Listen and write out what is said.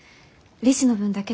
利子の分だけでも。